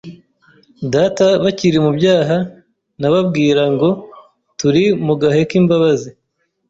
data bakiri mu byaha nababwira ngo turi mu gahe k’imbabazi